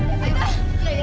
aku kejar kejar terus kita